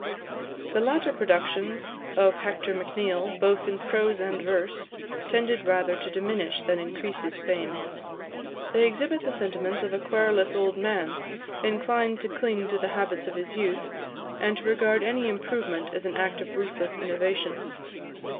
The latter productions of Hector Macneill, both in prose and verse, tended rather to diminish than increase his fame. They exhibit the sentiments of a querulous old man, inclined to cling to the habits of his youth, and to regard any improvement as an act of ruthless innovation.